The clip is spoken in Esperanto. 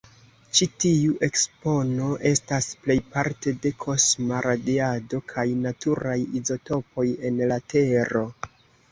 Ĉi tiu ekspono estas plejparte de kosma radiado kaj naturaj izotopoj en la Tero.